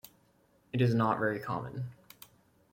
It is not very common.